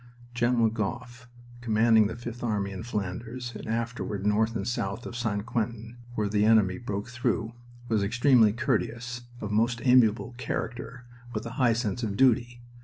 General Gough, commanding the Fifth Army in Flanders, and afterward north and south of St. Quentin, where the enemy broke through, was extremely courteous, of most amiable character, with a high sense of duty.